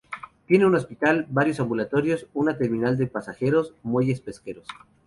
Tiene un hospital, varios ambulatorios, una terminal de pasajeros, muelles pesqueros.